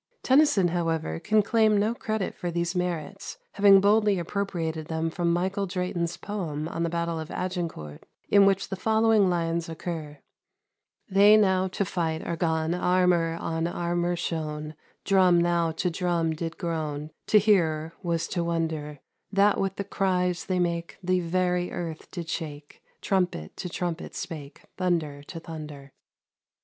Tennyson, however, can claim no credit for these merits, having boldly appropriated them from Michael Drayton's poem on the Battle of Agincourt; in which the follow ing lines occur :^" They now to fight are gone, Armour on armour shone : Drum now to drum did groan ; To hear was to wonder ; That with the cries they make. The very earth did shake, Trumpet to trumpet spake, Thunder to thunder."